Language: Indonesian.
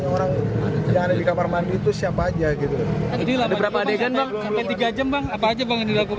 yang tadi dimasukin ke mobil